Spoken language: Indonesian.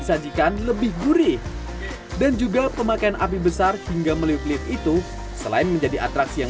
disajikan lebih gurih dan juga pemakaian api besar hingga meliup lit itu selain menjadi atraksi yang